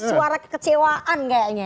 suara kekecewaan kayaknya